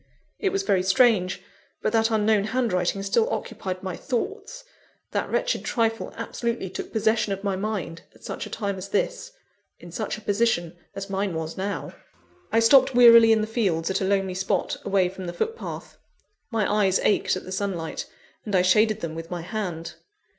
It was very strange; but that unknown handwriting still occupied my thoughts: that wretched trifle absolutely took possession of my mind, at such a time as this; in such a position as mine was now. I stopped wearily in the fields at a lonely spot, away from the footpath. My eyes ached at the sunlight, and I shaded them with my hand.